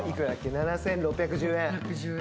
７，６１０円。